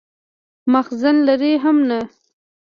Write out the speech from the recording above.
مأخذ لري هم نه.